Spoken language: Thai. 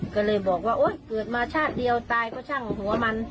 ก็เลยบอกว่าโอ๊ยเกิดมาชาติเดียวตายก็ช่างหัวมัน